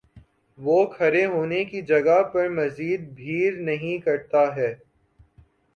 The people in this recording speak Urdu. وہ کھڑے ہونے کی جگہ پر مزید بھیڑ نہیں کرتا ہے